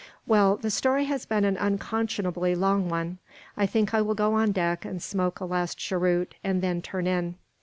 "Well, the story has been an unconscionably long one. I think I will go on deck and smoke a last cheroot, and then turn in."